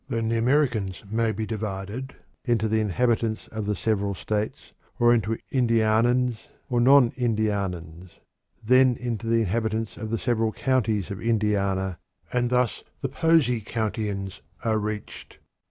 Then the Americans may be divided into inhabitants of the several states, or into Indianans and non Indianans; then into the inhabitants of the several counties of Indiana, and thus the Posey Countians are reached.